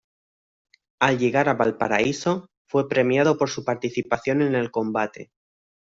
Al llegar a Valparaíso, fue premiado por su participación en el combate.